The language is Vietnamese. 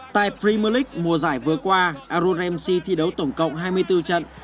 tại premier league mùa giải vừa qua aaron ramsey thi đấu tổng cộng hai mươi bốn trận